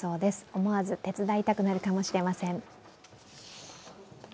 思わず手伝いたくなるかもしれません。